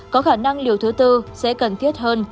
có khả năng liều thứ tư sẽ cần thiết hơn